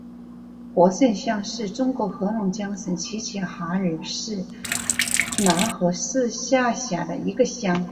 和盛乡是中国黑龙江省齐齐哈尔市讷河市下辖的一个乡。